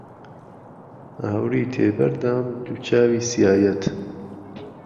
ئاوری تێ بهردام دوو چاوی سیایهت